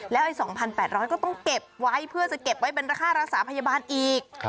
ไอ้๒๘๐๐ก็ต้องเก็บไว้เพื่อจะเก็บไว้เป็นค่ารักษาพยาบาลอีก